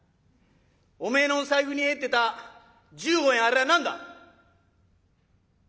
おめえの財布に入ってた１５円あれは何だ！」。